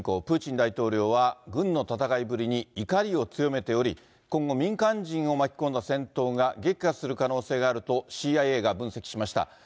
プーチン大統領は軍の戦いぶりに怒りを強めており、今後、民間人を巻き込んだ戦闘が激化する可能性があるとＣＩＡが分析しました。